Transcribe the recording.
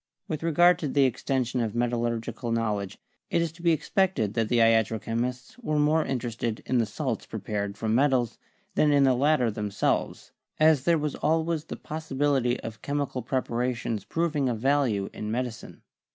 With regard to the extension of metallurgical knowl edge, it is to be expected that the iatro chemists were more interested in the salts prepared from metals than in the latter themselves, as there was always the possibility of chemical preparations proving of value in medicine.